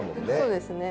そうですね。